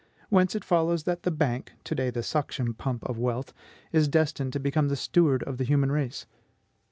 Whence it follows that the Bank, to day the suction pump of wealth, is destined to become the steward of the human race.